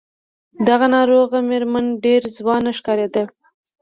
دغه ناروغه مېرمن ډېره ځوانه ښکارېده.